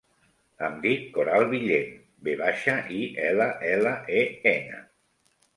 Em dic Coral Villen: ve baixa, i, ela, ela, e, ena.